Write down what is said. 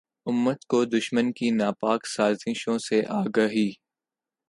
امت کو دشمن کی ناپاک سازشوں سے آگاہی